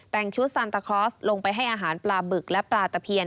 แต่งชุดซันตาคลอสลงไปให้อาหารปลาบึกและปลาตะเพียน